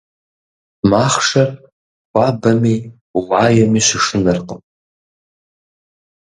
Махъшэр хуабэми уаеми щышынэркъым.